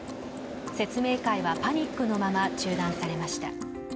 説明会はパニックのまま中断されました。